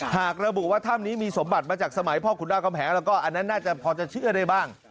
หากระบุว่าถ้ำนี้มีสมบัติมาจากสมัยพ่อขุนรากำแหงแล้วก็อันนั้นน่าจะพอจะเชื่อได้บ้าง